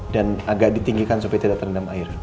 dan agak ditinggikan supaya tidak terendam air